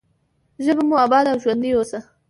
ژبه مو اباده او ژوندۍ اوسه.